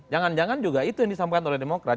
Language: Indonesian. jangan jangan juga itu yang disampaikan oleh demokrat